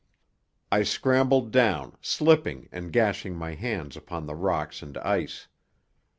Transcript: I scrambled down, slipping, and gashing my hands upon the rocks and ice.